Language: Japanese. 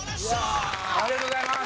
ありがとうございます。